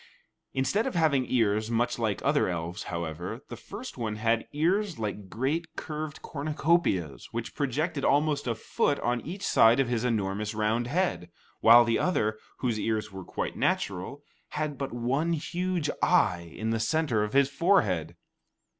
Instead of having ears much like other elves, however, the first one had ears like great curved cornucopias, which projected almost a foot on each side of his enormous round head, while the other, whose ears were quite natural, had but one huge eye in the centre of his forehead.